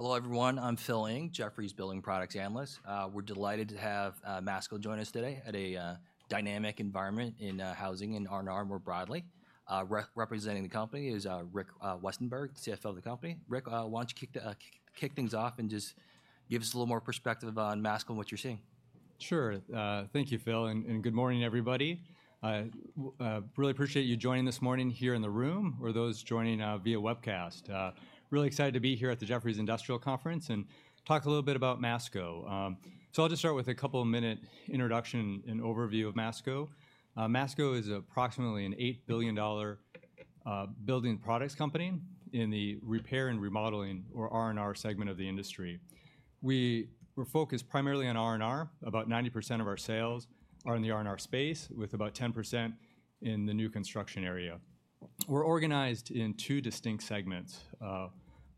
Hello, everyone, I'm Phil Ng, Jefferies Building Products Analyst. We're delighted to have Masco join us today at a dynamic environment in housing and R&R, more broadly. Representing the company is Rick Westenberg, CFO of the company. Rick, why don't you kick things off and just give us a little more perspective on Masco and what you're seeing? Sure. Thank you, Phil, and good morning, everybody. Really appreciate you joining this morning here in the room or those joining via webcast. Really excited to be here at the Jefferies Industrial Conference and talk a little bit about Masco. I'll just start with a couple of minute introduction and overview of Masco. Masco is approximately an $8 billion building products company in the repair and remodeling, or R&R, segment of the industry. We're focused primarily on R&R. About 90% of our sales are in the R&R space, with about 10% in the new construction area. We're organized in two distinct segments,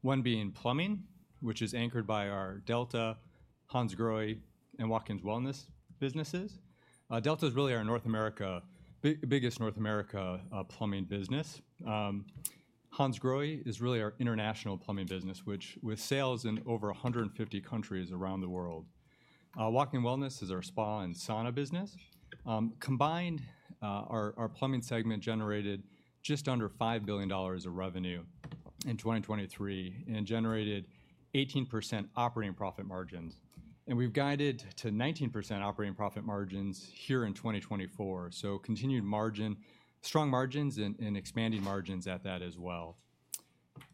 one being plumbing, which is anchored by our Delta, Hansgrohe, and Watkins Wellness businesses. Delta is really our biggest North American plumbing business. Hansgrohe is really our international plumbing business, which with sales in over 150 countries around the world. Watkins Wellness is our spa and sauna business. Combined, our plumbing segment generated just under $5 billion of revenue in 2023 and generated 18% operating profit margins, and we've guided to 19% operating profit margins here in 2024. So continued margin - strong margins and expanding margins at that as well.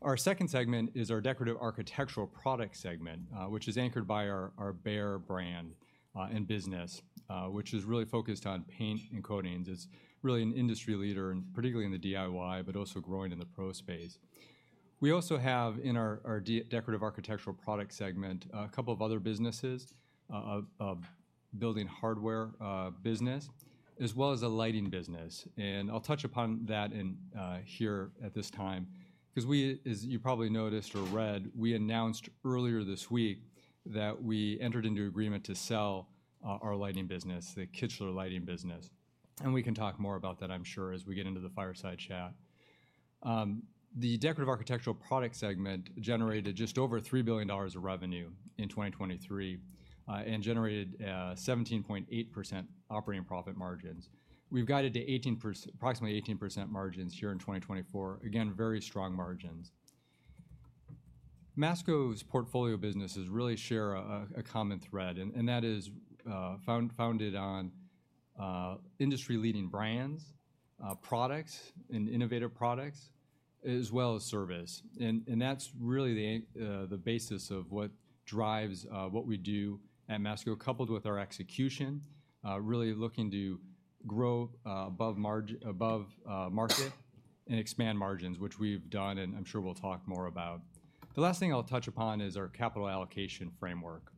Our second segment is our Decorative Architectural Products segment, which is anchored by our Behr brand and business, which is really focused on paint and coatings. It's really an industry leader, and particularly in the DIY, but also growing in the Pro space. We also have, in our Decorative Architectural Products segment, a couple of other businesses, a building hardware business, as well as a lighting business, and I'll touch upon that here at this time, because we, as you probably noticed or read, we announced earlier this week that we entered into an agreement to sell our lighting business, the Kichler Lighting business, and we can talk more about that, I'm sure, as we get into the fireside chat. The Decorative Architectural Products segment generated just over $3 billion of revenue in 2023, and generated 17.8% operating profit margins. We've guided to approximately 18% margins here in 2024. Again, very strong margins. Masco's portfolio businesses really share a common thread, and that is founded on industry-leading brands, products and innovative products, as well as service. And that's really the basis of what drives what we do at Masco, coupled with our execution, really looking to grow above market and expand margins, which we've done, and I'm sure we'll talk more about. The last thing I'll touch upon is our capital allocation framework.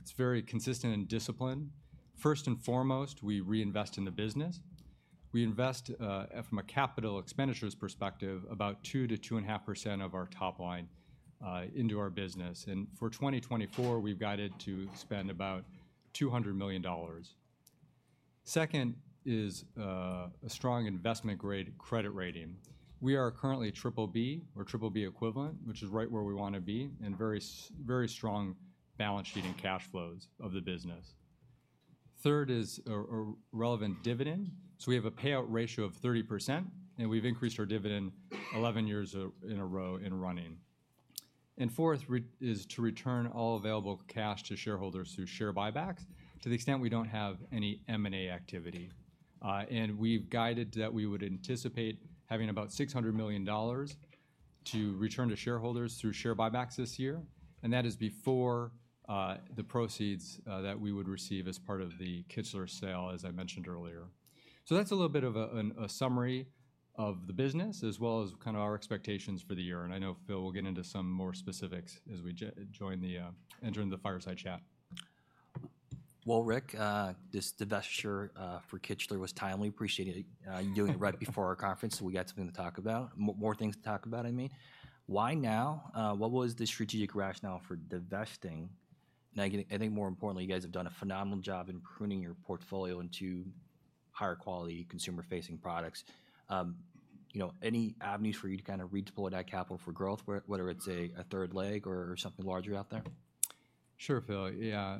It's very consistent and disciplined. First and foremost, we reinvest in the business. We invest from a capital expenditures perspective, about 2%-2.5% of our top line into our business, and for 2024, we've guided to spend about $200 million. Second is a strong investment-grade credit rating. We are currently BBB or BBB equivalent, which is right where we want to be, and very strong balance sheet and cash flows of the business. Third is a relevant dividend. So we have a payout ratio of 30%, and we've increased our dividend eleven years in a row and running. And fourth is to return all available cash to shareholders through share buybacks, to the extent we don't have any M&A activity. And we've guided that we would anticipate having about $600 million to return to shareholders through share buybacks this year, and that is before the proceeds that we would receive as part of the Kichler sale, as I mentioned earlier. So that's a little bit of a summary of the business, as well as kind of our expectations for the year, and I know Phil will get into some more specifics as we join the fireside chat. Rick, this, the divestiture for Kichler was timely. Appreciate you doing it right before our conference, so we got something to talk about. More things to talk about, I mean. Why now? What was the strategic rationale for divesting? Now, I think more importantly, you guys have done a phenomenal job in pruning your portfolio into higher quality, consumer-facing products. You know, any avenues for you to kind of redeploy that capital for growth, whether it's a third leg or something larger out there? Sure, Phil. Yeah,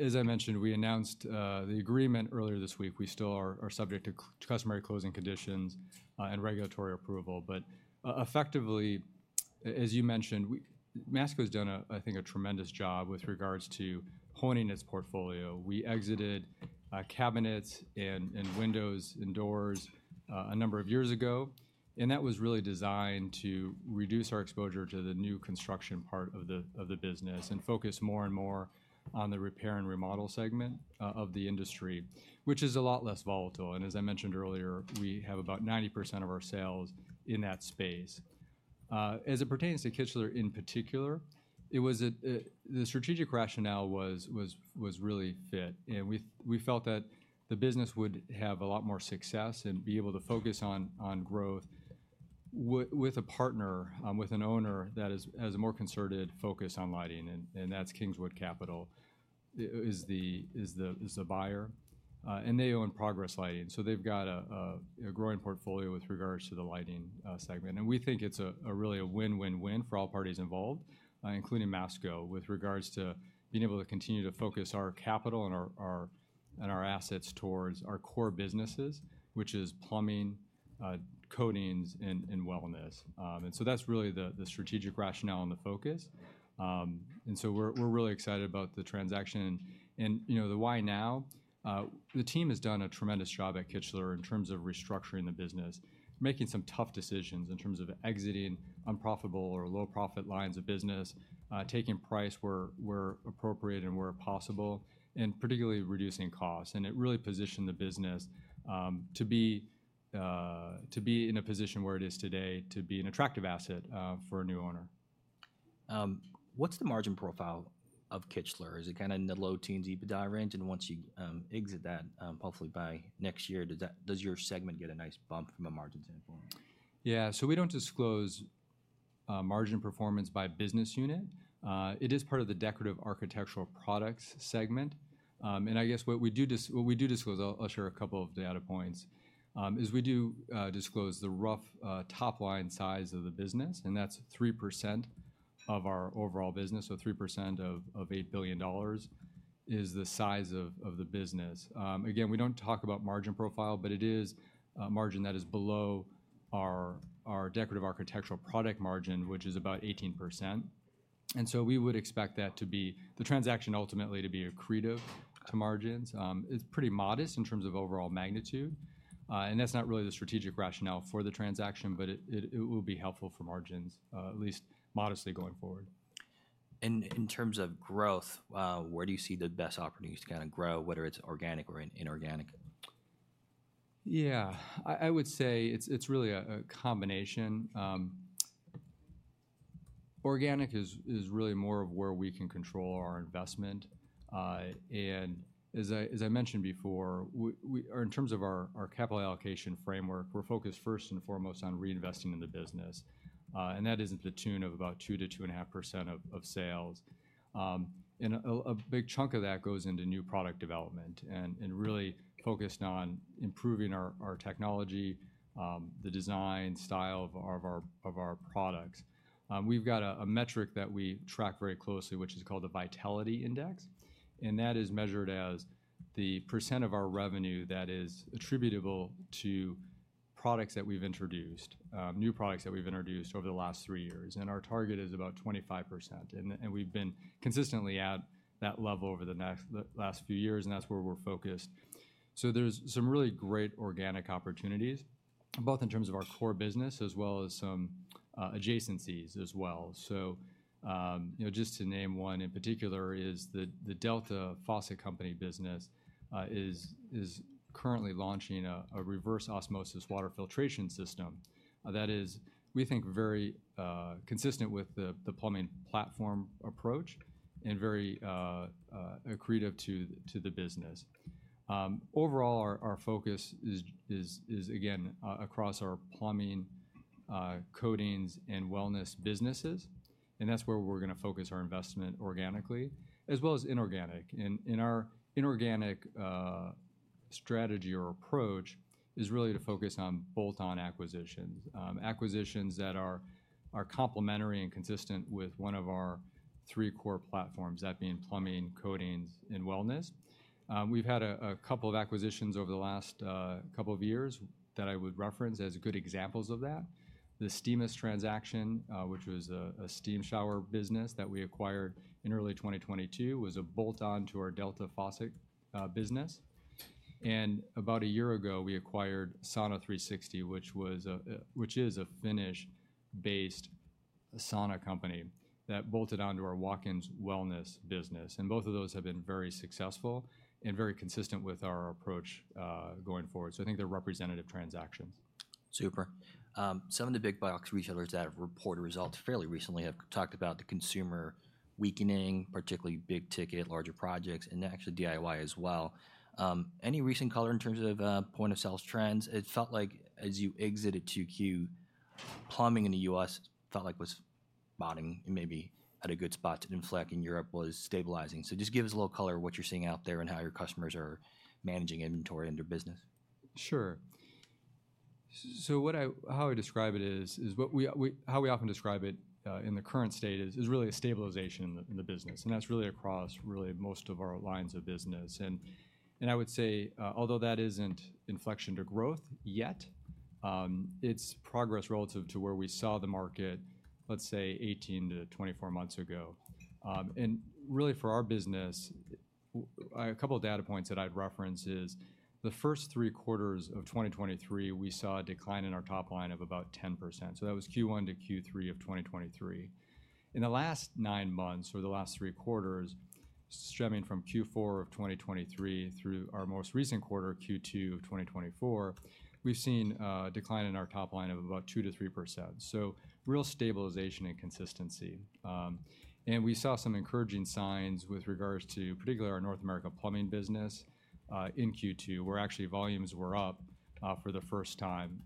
as I mentioned, we announced the agreement earlier this week. We still are subject to customary closing conditions and regulatory approval. But, effectively, as you mentioned, we-- Masco's done, I think, a tremendous job with regards to honing its portfolio. We exited, cabinets and, windows and doors, a number of years ago, and that was really designed to reduce our exposure to the new construction part of the business and focus more and more on the repair and remodel segment of the industry, which is a lot less volatile, and as I mentioned earlier, we have about 90% of our sales in that space. As it pertains to Kichler in particular, it was a, The strategic rationale was really fit, and we felt that the business would have a lot more success and be able to focus on growth with a partner with an owner that has a more concerted focus on lighting, and that's Kingswood Capital is the buyer, and they own Progress Lighting. So they've got a growing portfolio with regards to the lighting segment. And we think it's really a win-win-win for all parties involved, including Masco, with regards to being able to continue to focus our capital and our assets towards our core businesses, which is plumbing, coatings, and wellness. And so that's really the strategic rationale and the focus. And so we're really excited about the transaction. You know, the why now? The team has done a tremendous job at Kichler in terms of restructuring the business, making some tough decisions in terms of exiting unprofitable or low-profit lines of business, taking price where appropriate and where possible, and particularly reducing costs. It really positioned the business to be in a position where it is today, to be an attractive asset for a new owner. What's the margin profile of Kichler? Is it kinda in the low teens EBITDA range? And once you exit that, hopefully by next year, does your segment get a nice bump from a margin standpoint? Yeah, so we don't disclose margin performance by business unit. It is part of the Decorative Architectural Products segment. And I guess what we do disclose, I'll share a couple of data points, is we do disclose the rough top-line size of the business, and that's 3% of our overall business. So 3% of $8 billion is the size of the business. Again, we don't talk about margin profile, but it is a margin that is below our decorative architectural product margin, which is about 18%. And so we would expect that to be...the transaction ultimately to be accretive to margins. It's pretty modest in terms of overall magnitude, and that's not really the strategic rationale for the transaction, but it will be helpful for margins, at least modestly going forward. In terms of growth, where do you see the best opportunities to kinda grow, whether it's organic or inorganic Yeah, I would say it's really a combination. Organic is really more of where we can control our investment. And as I mentioned before, or in terms of our capital allocation framework, we're focused first and foremost on reinvesting in the business, and that is to the tune of about 2%-2.5% of sales. And a big chunk of that goes into new product development and really focused on improving our technology, the design, style of our products. We've got a metric that we track very closely, which is called the Vitality Index, and that is measured as the percent of our revenue that is attributable to products that we've introduced, new products that we've introduced over the last three years. Our target is about 25%, and we've been consistently at that level over the last few years, and that's where we're focused. So there's some really great organic opportunities, both in terms of our core business as well as some adjacencies as well. So you know, just to name one in particular is the Delta Faucet Company business is currently launching a reverse osmosis water filtration system that is, we think, very consistent with the plumbing platform approach and very accretive to the business. Overall, our focus is again across our plumbing, coatings, and wellness businesses, and that's where we're gonna focus our investment organically as well as inorganic. And our inorganic strategy or approach is really to focus on bolt-on acquisitions. Acquisitions that are complementary and consistent with one of our three core platforms, that being plumbing, coatings, and wellness. We've had a couple of acquisitions over the last couple of years that I would reference as good examples of that. The Steamist transaction, which was a steam shower business that we acquired in early 2022, was a bolt-on to our Delta Faucet business. And about a year ago, we acquired Sauna360, which is a Finnish-based sauna company that bolted onto our Watkins Wellness business, and both of those have been very successful and very consistent with our approach going forward. So I think they're representative transactions. Super. Some of the big box retailers that have reported results fairly recently have talked about the consumer weakening, particularly big ticket, larger projects, and actually DIY as well. Any recent color in terms of point-of-sale trends? It felt like as you exited 2Q, plumbing in the U.S. felt like it was bottoming and maybe at a good spot to inflect, and Europe was stabilizing, so just give us a little color of what you're seeing out there and how your customers are managing inventory and their business. Sure. So how I describe it is what we often describe it in the current state is really a stabilization in the business, and that's really across most of our lines of business. And I would say although that isn't inflection to growth yet, it's progress relative to where we saw the market, let's say, 18 to 24 months ago. And really, for our business, a couple of data points that I'd reference is the first three quarters of 2023, we saw a decline in our top line of about 10%, so that was Q1 to Q3 of 2023. In the last nine months, or the last three quarters, stemming from Q4 of 2023 through our most recent quarter, Q2 of 2024, we've seen a decline in our top line of about 2%-3%, so real stabilization and consistency. And we saw some encouraging signs with regards to particularly our North America plumbing business in Q2, where actually volumes were up for the first time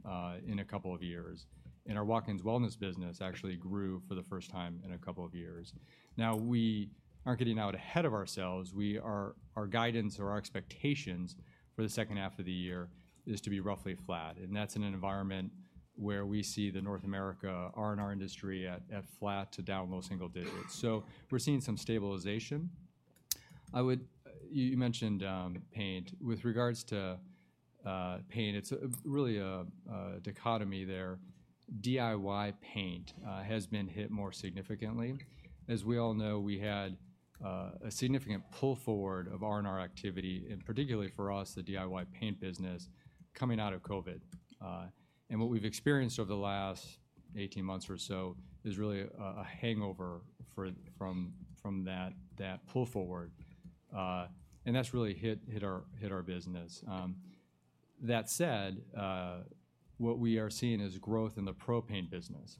in a couple of years, and our Watkins Wellness business actually grew for the first time in a couple of years. Now, we aren't getting out ahead of ourselves. We are, our guidance or our expectations for the second half of the year is to be roughly flat, and that's in an environment where we see the North America R&R industry at flat to down low single digits, so we're seeing some stabilization. I would, you mentioned paint. With regards to paint, it's really a dichotomy there. DIY paint has been hit more significantly. As we all know, we had a significant pull forward of R&R activity, and particularly for us, the DIY paint business, coming out of COVID, and what we've experienced over the last 18 months or so is really a hangover from that pull forward, and that's really hit our business. That said, what we are seeing is growth in the Pro paint business,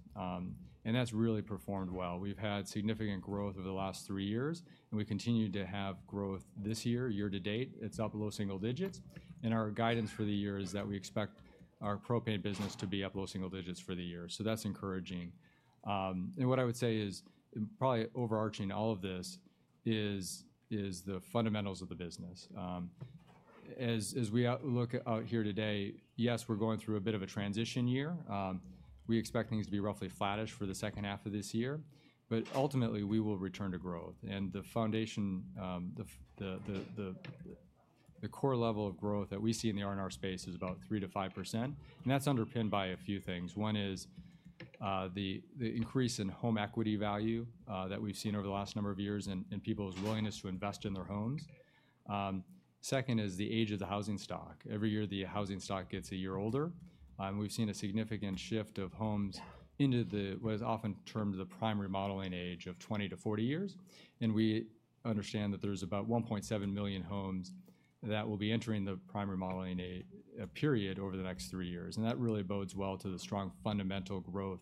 and that's really performed well. We've had significant growth over the last three years, and we continue to have growth this year. Year to date, it's up low single digits, and our guidance for the year is that we expect our Pro paint business to be up low single digits for the year, so that's encouraging, and what I would say is, probably overarching all of this, is the fundamentals of the business. As we look out here today, yes, we're going through a bit of a transition year. We expect things to be roughly flattish for the second half of this year, but ultimately we will return to growth, and the foundation, the core level of growth that we see in the R&R space is about 3%-5%, and that's underpinned by a few things. One is the increase in home equity value that we've seen over the last number of years and people's willingness to invest in their homes. Second is the age of the housing stock. Every year, the housing stock gets a year older, and we've seen a significant shift of homes into what is often termed as a primary remodeling age of twenty to forty years. We understand that there's about 1.7 million homes that will be entering the primary remodeling period over the next three years, and that really bodes well to the strong fundamental growth.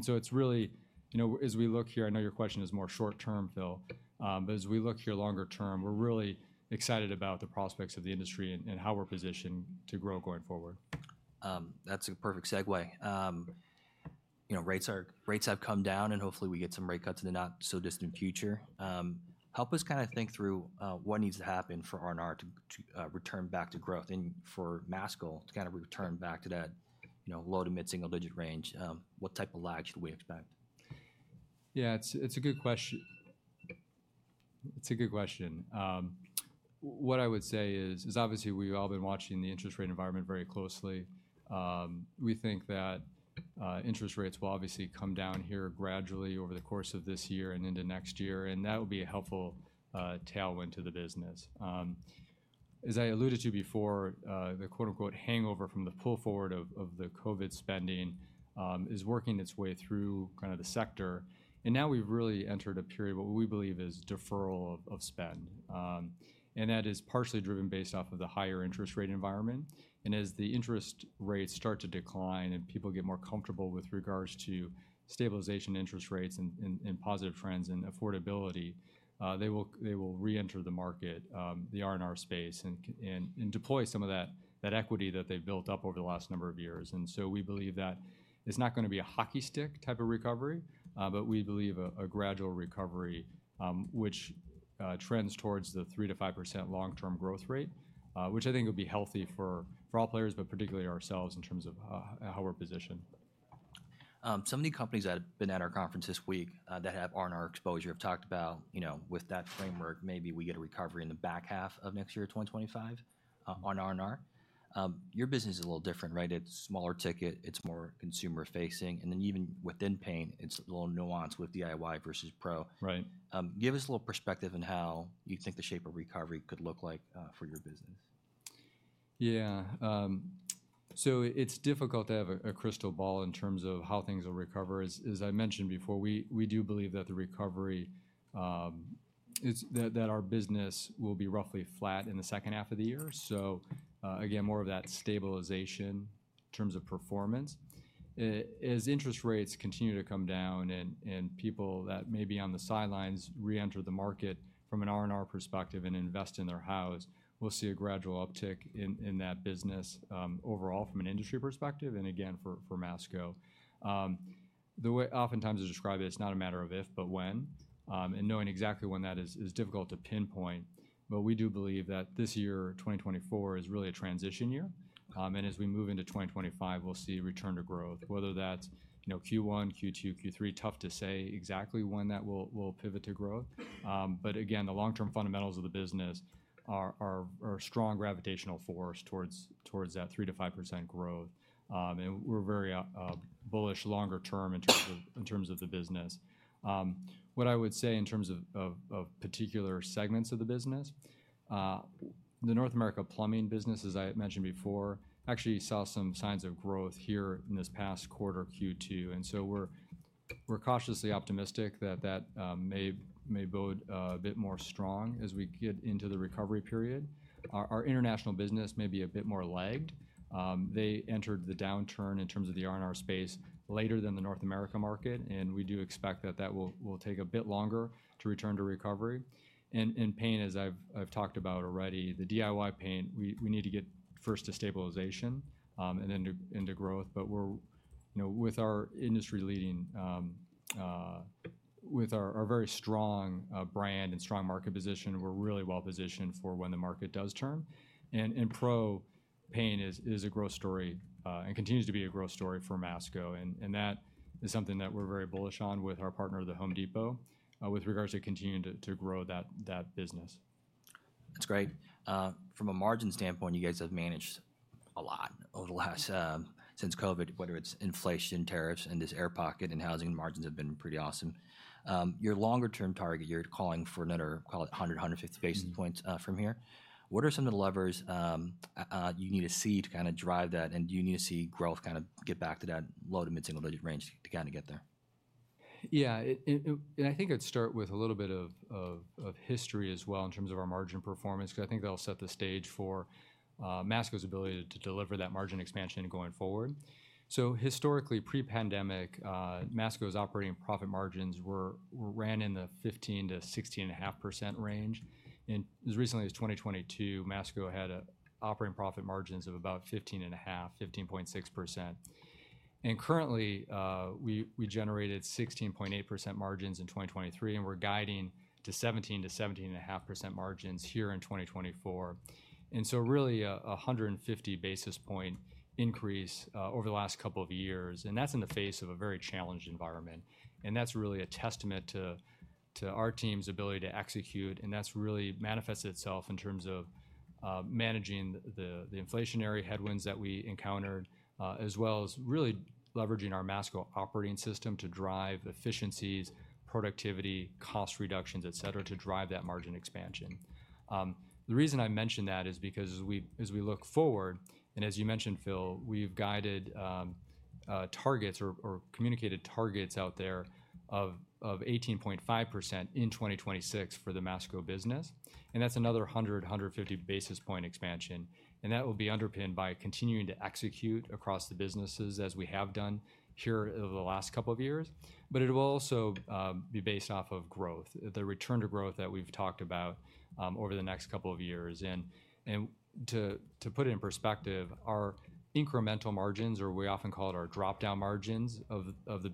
So it's really, you know, as we look here, I know your question is more short term, Phil, but as we look here longer term, we're really excited about the prospects of the industry and how we're positioned to grow going forward. That's a perfect segue. You know, rates have come down, and hopefully we get some rate cuts in the not so distant future. Help us kinda think through what needs to happen for R&R to return back to growth and for Masco to kind of return back to that, you know, low to mid-single-digit range? What type of lag should we expect? Yeah, it's a good question. What I would say is obviously we've all been watching the interest rate environment very closely. We think that interest rates will obviously come down here gradually over the course of this year and into next year, and that will be a helpful tailwind to the business. As I alluded to before, the quote, unquote, "hangover" from the pull forward of the COVID spending is working its way through kind of the sector. And now we've really entered a period what we believe is deferral of spend. And that is partially driven based off of the higher interest rate environment. As the interest rates start to decline, and people get more comfortable with regards to stabilization interest rates and positive trends and affordability, they will reenter the market, the R&R space, and deploy some of that equity that they've built up over the last number of years. So we believe that it's not gonna be a hockey stick type of recovery, but we believe a gradual recovery, which trends towards the 3%-5% long-term growth rate. Which I think will be healthy for all players, but particularly ourselves, in terms of how we're positioned. Some of the companies that have been at our conference this week that have R&R exposure have talked about, you know, with that framework, maybe we get a recovery in the back half of next year, 2025, on R&R. Your business is a little different, right? It's smaller ticket, it's more consumer facing, and then even within paint, it's a little nuanced with DIY versus Pro. Right. Give us a little perspective on how you think the shape of recovery could look like, for your business? So it's difficult to have a crystal ball in terms of how things will recover. As I mentioned before, we do believe that the recovery is that our business will be roughly flat in the second half of the year. So again, more of that stabilization in terms of performance. As interest rates continue to come down and people that may be on the sidelines reenter the market from an R&R perspective and invest in their house, we'll see a gradual uptick in that business overall from an industry perspective, and again, for Masco. The way oftentimes I describe it, it's not a matter of if, but when, and knowing exactly when that is, is difficult to pinpoint. But we do believe that this year, 2024, is really a transition year, and as we move into twenty twenty-five, we'll see a return to growth, whether that's, you know, Q1, Q2, Q3. Tough to say exactly when that will pivot to growth. But again, the long-term fundamentals of the business are a strong gravitational force towards that 3%-5% growth. And we're very bullish longer term in terms of the business. What I would say in terms of particular segments of the business, the North America plumbing business, as I mentioned before, actually saw some signs of growth here in this past quarter, Q2, and so we're cautiously optimistic that that may bode a bit more strong as we get into the recovery period. Our international business may be a bit more lagged. They entered the downturn in terms of the R&R space later than the North America market, and we do expect that will take a bit longer to return to recovery. And paint, as I've talked about already, the DIY paint, we need to get first to stabilization, and then into growth. But we're, you know, with our industry leading with our very strong brand and strong market position, we're really well positioned for when the market does turn. And pro paint is a growth story and continues to be a growth story for Masco, and that is something that we're very bullish on with our partner, The Home Depot, with regards to continuing to grow that business.... That's great. From a margin standpoint, you guys have managed a lot over the last, since COVID, whether it's inflation, tariffs, and this air pocket in housing, margins have been pretty awesome. Your longer term target, you're calling for another, call it one hundred, one hundred and fifty basis points, from here. What are some of the levers, you need to see to kinda drive that, and do you need to see growth kind of get back to that low- to mid-single digit range to kinda get there? Yeah, I think I'd start with a little bit of history as well in terms of our margin performance, because I think that'll set the stage for Masco's ability to deliver that margin expansion going forward. Historically, pre-pandemic, Masco's operating profit margins ran in the 15%-16.5% range. As recently as 2022, Masco had operating profit margins of about 15.5%, 15.6%. Currently, we generated 16.8% margins in 2023, and we're guiding to 17%-17.5% margins here in 2024. Really, a 150 basis point increase over the last couple of years, and that's in the face of a very challenged environment. That's really a testament to our team's ability to execute, and that's really manifested itself in terms of managing the inflationary headwinds that we encountered, as well as really leveraging our Masco Operating System to drive efficiencies, productivity, cost reductions, et cetera, to drive that margin expansion. The reason I mention that is because as we look forward, and as you mentioned, Phil, we've guided targets or communicated targets out there of 18.5% in 2026 for the Masco business, and that's another one hundred and fifty basis point expansion. That will be underpinned by continuing to execute across the businesses, as we have done here over the last couple of years. It will also be based off of growth, the return to growth that we've talked about over the next couple of years. And to put it in perspective, our incremental margins, or we often call it our drop-down margins of the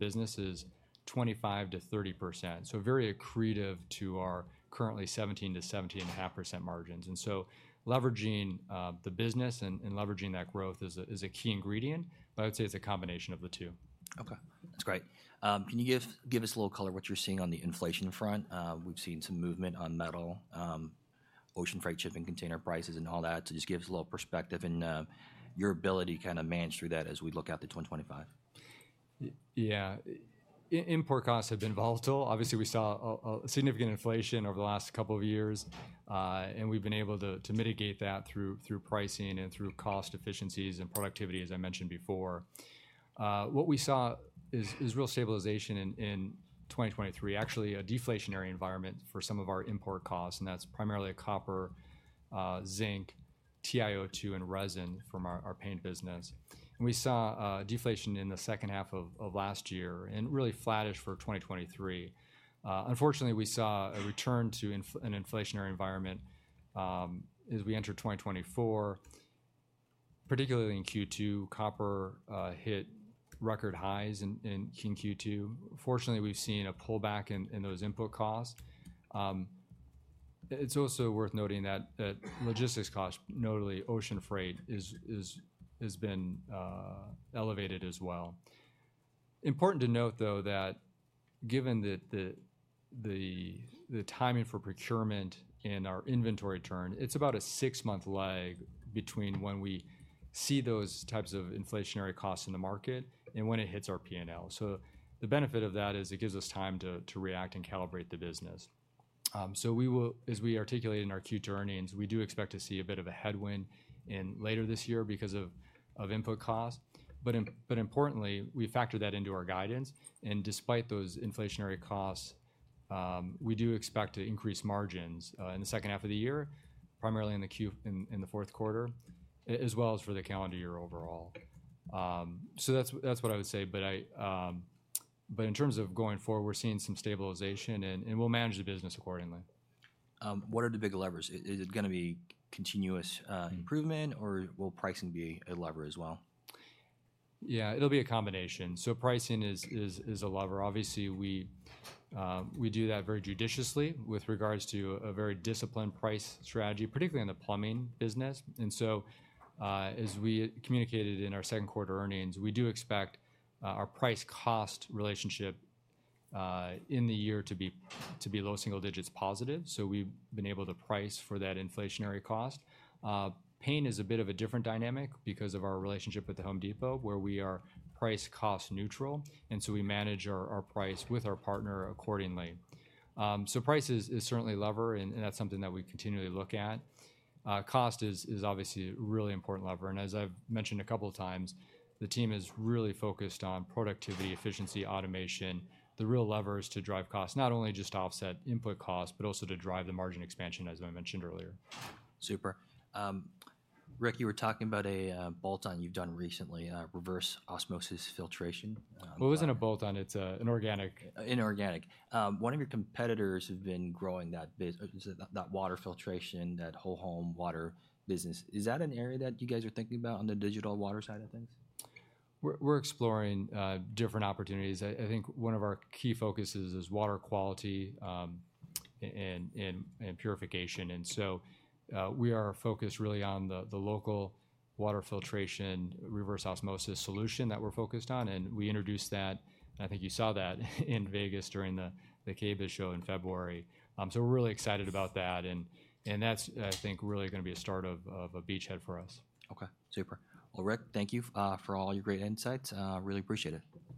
business, is 25%-30%. So very accretive to our currently 17%-17.5% margins. And so leveraging the business and leveraging that growth is a key ingredient, but I'd say it's a combination of the two. Okay, that's great. Can you give us a little color what you're seeing on the inflation front? We've seen some movement on metal, ocean freight, shipping container prices, and all that. So just give us a little perspective and your ability kind of manage through that as we look out to 2025. Yeah. Import costs have been volatile. Obviously, we saw a significant inflation over the last couple of years, and we've been able to mitigate that through pricing and through cost efficiencies and productivity, as I mentioned before. What we saw is real stabilization in 2023, actually a deflationary environment for some of our import costs, and that's primarily copper, zinc, TiO2, and resin from our paint business, and we saw deflation in the second half of last year and really flattish for 2023. Unfortunately, we saw a return to an inflationary environment as we entered 2024. Particularly in Q2, copper hit record highs in Q2. Fortunately, we've seen a pullback in those input costs. It's also worth noting that logistics costs, notably ocean freight, has been elevated as well. Important to note, though, that given that the timing for procurement and our inventory turn, it's about a six-month lag between when we see those types of inflationary costs in the market and when it hits our P&L. So the benefit of that is it gives us time to react and calibrate the business. So we will, as we articulated in our Q2 earnings, we do expect to see a bit of a headwind later this year because of input costs. But importantly, we factor that into our guidance, and despite those inflationary costs, we do expect to increase margins in the second half of the year, primarily in the fourth quarter, as well as for the calendar year overall. So that's what I would say, but I... But in terms of going forward, we're seeing some stabilization, and we'll manage the business accordingly. What are the big levers? Is it gonna be continuous improvement, or will pricing be a lever as well? Yeah, it'll be a combination. So pricing is a lever. Obviously, we do that very judiciously with regards to a very disciplined price strategy, particularly in the plumbing business. And so, as we communicated in our second quarter earnings, we do expect our price-cost relationship in the year to be low single digits positive, so we've been able to price for that inflationary cost. Paint is a bit of a different dynamic because of our relationship with The Home Depot, where we are price-cost neutral, and so we manage our price with our partner accordingly. So price is certainly a lever, and that's something that we continually look at. Cost is obviously a really important lever, and as I've mentioned a couple of times, the team is really focused on productivity, efficiency, automation, the real levers to drive costs, not only just to offset input costs, but also to drive the margin expansion, as I mentioned earlier. Super. Rick, you were talking about a bolt-on you've done recently, a reverse osmosis filtration. It wasn't a bolt-on, it's inorganic. Inorganic. One of your competitors has been growing that business, so that water filtration, that whole home water business. Is that an area that you guys are thinking about on the digital water side of things? We're exploring different opportunities. I think one of our key focuses is water quality and purification, and so we are focused really on the local water filtration reverse osmosis solution that we're focused on, and we introduced that, and I think you saw that in Vegas during the KBIS show in February. So we're really excited about that, and that's, I think, really gonna be a start of a beachhead for us. Okay, super. Well, Rick, thank you for all your great insights. Really appreciate it.